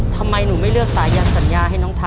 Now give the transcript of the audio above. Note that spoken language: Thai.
ทำไมหนูไม่เลือกสายันสัญญาให้น้องทำ